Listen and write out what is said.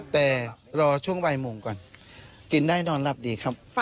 แต่รอช่วงบ่ายโมงก่อนกินได้นอนหลับดีครับ